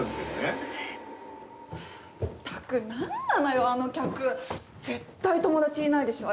ったく何なのよあの客絶対友達いないでしょ